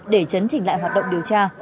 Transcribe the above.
để chấn chỉnh lại hoạt động điều tra